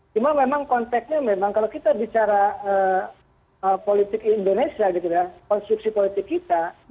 cuma memang konteknya memang kalau kita bicara politik indonesia gitu ya konstruksi politik kita